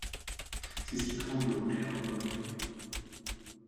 C’est ce qui tremble au bout de l’herbe remuée